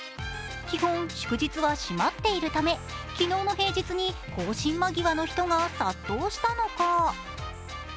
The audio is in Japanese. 基本、祝日は閉まっているため、昨日の平日に更新間際の人が殺到したのか？